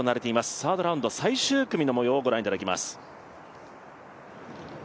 サードラウンド最終組のもようをご覧いただきます。